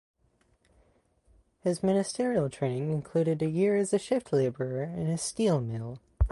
His ministerial training included a year as a shift labourer in a steel mill.